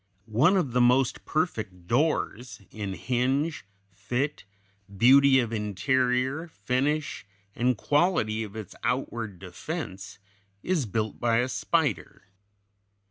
One of the most perfect doors, in hinge, fit, beauty of interior, finish, and quality of its outward defense is built by a spider (Fig.